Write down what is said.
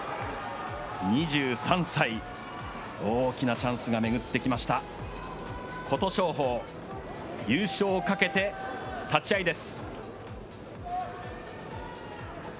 ２３歳、大きなチャンスが巡ってきました、琴勝峰、優勝をかけて立ち合いです。